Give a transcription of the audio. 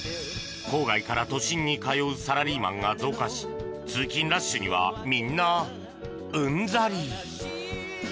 郊外から都心に通うサラリーマンが増加し通勤ラッシュにはみんなうんざり。